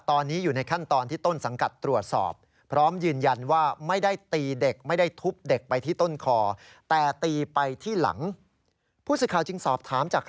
ตอนนี้อยู่ในขั้นตอนที่ต้นสังกัดตรวจสอบ